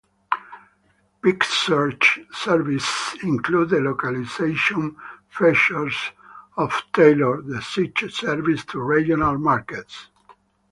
Picsearch services include localization features to tailor the search service to regional markets.